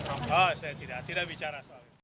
oh saya tidak tidak bicara soal itu